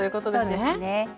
はいそうですね。